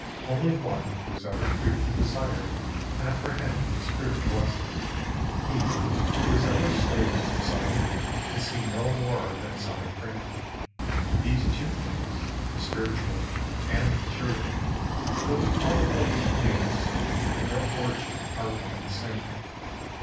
Only one who is ever free from desire can apprehend its spiritual essence ; he who is ever a slave to desire can see no more than its outer fringe. These two things, the spiritual and the material, though we call them by different names, in their origin are one and the same.